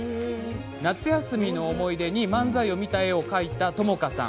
夏休みの思い出に漫才を見た絵を描いた知花さん。